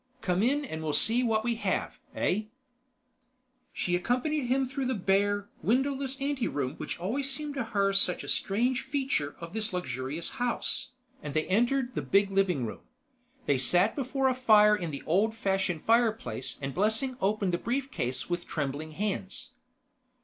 Come in and we'll see what we have, eh?" She accompanied him through the bare, windowless anteroom which had always seemed to her such a strange feature of this luxurious house, and they entered the big living room. They sat before a fire in the old fashioned fireplace and Blessing opened the brief case with trembling hands.